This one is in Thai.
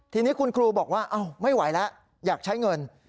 ทีนี้คุณครูบอกว่าไม่ไหวแล้วอยากใช้เงิน